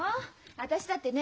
私だってね